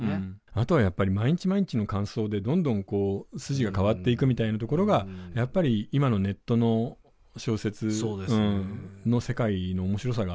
あとはやっぱり毎日毎日の感想でどんどんこう筋が変わっていくみたいなところがやっぱり今のネットの小説の世界の面白さがあるよね。